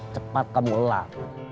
cepat kamu elak